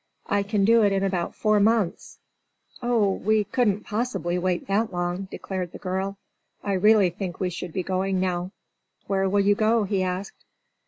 "I can do it in about four months." "Oh, we couldn't possibly wait that long," declared the girl. "I really think we should be going now." "Where will you go?" he asked.